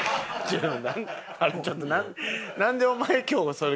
ちょっとなんでお前今日それかけ。